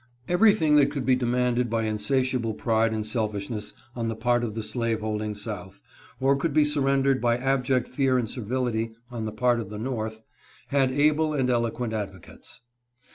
* Everything that could be demanded by insatiable pride and selfishness on the part of the slave holding South, or could be surren dered by abject fear and servility on the part of the North, had able and eloquent advocates.